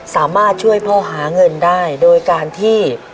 สามารถช่วยพ่อหาเงินได้โดยการที่